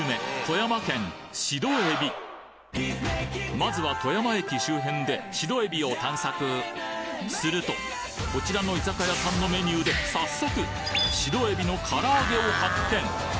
まずは富山駅周辺で白えびを探索するとこちらの居酒屋さんのメニューで早速白エビの唐揚を発見！